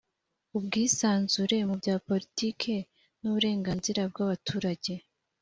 ubwisanzure mu bya politike n uburenganzira bw abaturage